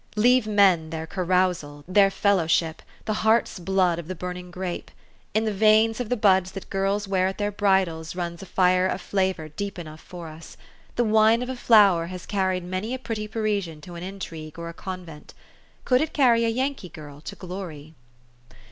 Leave men their carousal, their fellowship, the heart's blood of the burning grape. In the veins of the buds that gills wear at their bridals runs a fire of flavor deep enough for us. The wine of a flower has carried many a pretty Parisian to an in trigue or a convent. Could it carry a Yankee girl to glory?